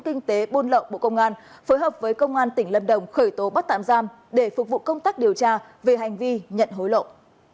kinh tế buôn lậu bộ công an phối hợp với công an tỉnh lâm đồng khởi tố bắt tạm giam để phục vụ công tác điều tra về hành vi nhận hối lộ